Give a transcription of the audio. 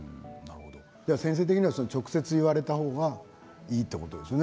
先生的には直接言われた方がいいということですね。